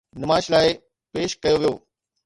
نمائش لاءِ پيش ڪيو ويو.